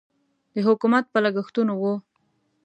د حکومت په لګښتونو و.